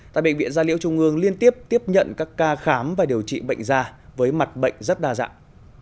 tại bệnh viện gia liễu trung ương liên tiếp tiếp nhận các ca khám và điều trị bệnh da với mặt bệnh rất đa dạng